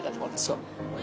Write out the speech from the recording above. そう。